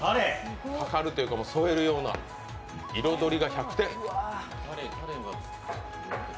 かかるというか、添えるような彩りが１００点。